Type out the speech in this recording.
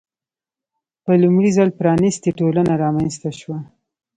په لومړي ځل پرانیستې ټولنه رامنځته شوه.